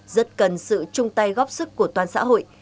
rất cần sự chung tay góp sức của toàn xã hội